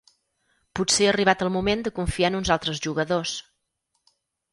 Potser ha arribat el moment de confiar en uns altres jugadors.